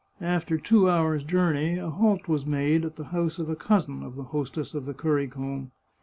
After two hours' journey a halt was made at the house of a cousin of the hostess of The Currycomb.